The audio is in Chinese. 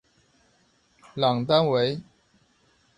朗丹韦。